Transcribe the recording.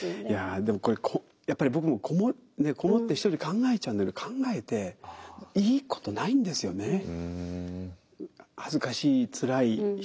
いやでもこれやっぱり僕もこもって一人で考えちゃうんだけど考えていいことないんですよね。